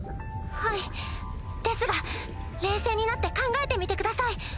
はいですが冷静になって考えてみてください。